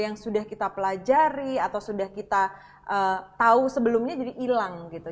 yang sudah kita pelajari atau sudah kita tahu sebelumnya jadi hilang gitu